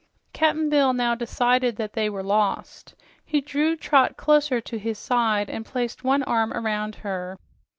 Cap'n Bill now decided that they were lost. He drew Trot closer to his side and placed one arm around her.